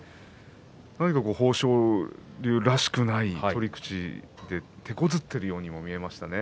何か豊昇龍らしくない取り口でてこずっているようにも見えましたね。